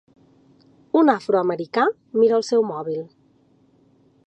Un afroamericà mira el seu mòbil.